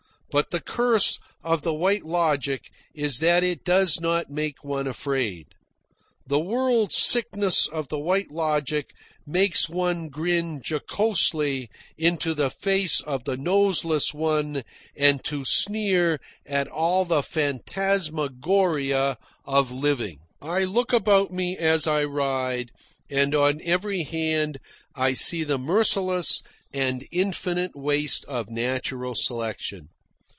But the curse of the White Logic is that it does not make one afraid. The world sickness of the White Logic makes one grin jocosely into the face of the Noseless One and to sneer at all the phantasmagoria of living. I look about me as I ride and on every hand I see the merciless and infinite waste of natural selection.